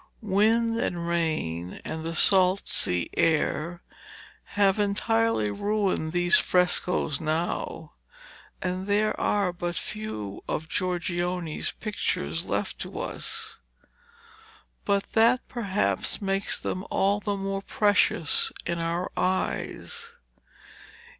Wind and rain and the salt sea air have entirely ruined these frescoes now, and there are but few of Giorgione's pictures left to us, but that perhaps makes them all the more precious in our eyes.